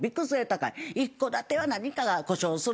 一戸建ては何かが故障する。